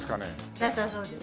なさそうです。